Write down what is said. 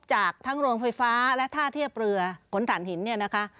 จากทั้งโรงไฟฟ้าและท่าเทียบเรือขนฐานหิน